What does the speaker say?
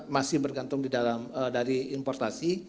masih bergantung di dalam dari importasi